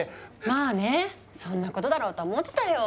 まあねそんなことだろうとは思ってたよ。